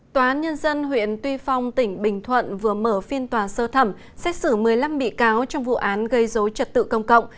tòa án nhân dân huyện tuy phong tỉnh bình thuận vừa mở phiên tòa sơ thẩm xét xử một mươi năm bị cáo trong vụ án gây dối trật tự công cộng